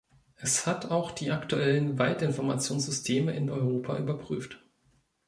Es hat auch die aktuellen Waldinformationssysteme in Europa überprüft.